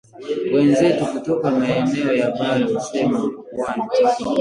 Wenzetu kutoka maeneo ya bara husema wapwani